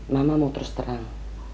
mama mau terus terang